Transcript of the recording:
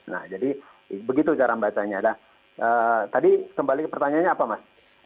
nah jadi begitu cara bacanya nah tadi kembali ke pertanyaannya apa mas